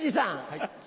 はい。